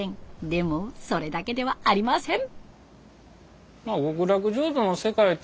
でもそれだけではありません。